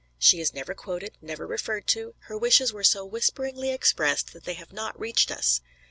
She is never quoted; never referred to; her wishes were so whisperingly expressed that they have not reached us.